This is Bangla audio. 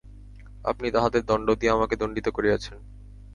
আপনি তাহাদের দণ্ড দিয়া আমাকে দণ্ডিত করিয়াছেন।